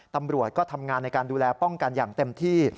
ตำรวจก็ทำงานในการดูแลป้องกันอย่างเต็มที่